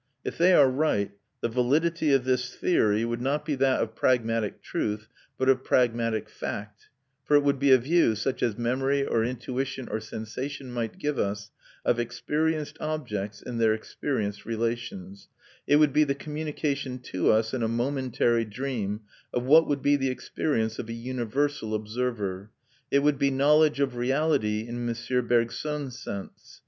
If they are right, the validity of this theory would not be that of pragmatic "truth" but of pragmatic "fact"; for it would be a view, such as memory or intuition or sensation might give us, of experienced objects in their experienced relations; it would be the communication to us, in a momentary dream, of what would be the experience of a universal observer. It would be knowledge of reality in M. Bergson's sense.